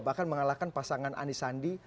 bahkan mengalahkan pasangan anies sandi